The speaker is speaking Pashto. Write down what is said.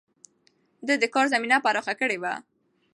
ده د کار زمينه پراخه کړې وه.